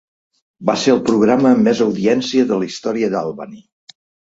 Va ser el programa amb més audiència de la història d'Albany.